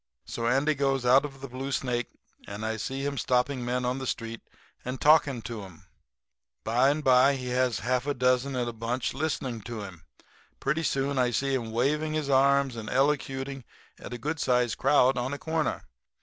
"So Andy goes out of the Blue Snake, and I see him stopping men on the street and talking to 'em. By and by he has half a dozen in a bunch listening to him; and pretty soon I see him waving his arms and elocuting at a good sized crowd on a corner.